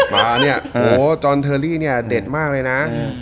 มาเนี่ยโหจอนเทอรี่เนี่ยเด็ดมากเลยนะ